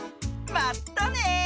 まったね！